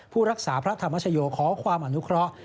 รักษาพระธรรมชโยขอความอนุเคราะห์